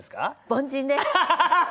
凡人です！